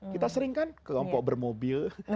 maksudnya kelompok bermobil